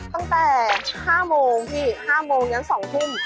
ตั้งแต่๕โมงพี่๕โมงเย็น๒ทุ่ม